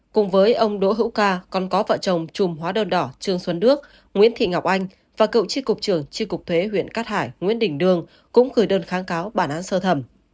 cùng với ông đỗ hữu ca còn có vợ chồng chùm hóa đơn đỏ trương xuân đức nguyễn thị ngọc anh và cựu tri cục trường tri cục thuế huyện cát hải nguyễn đình đương cũng gửi đơn kháng cáo bản án sơ thẩm